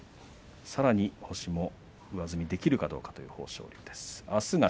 さらに星を上積みできるかどうかという豊昇龍です。